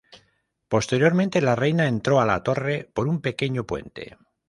Posteriormente, la reina entró a la Torre ""por un pequeño puente"".